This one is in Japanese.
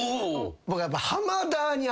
僕やっぱ。